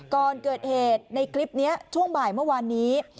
ก่อนเกิดเหตุในคลิปนี้ช่วงบ่ายเมื่อวานนี้